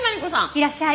いらっしゃい。